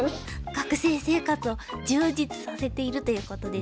学生生活を充実させているということですね。